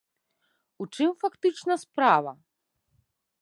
У чым фактычна справа?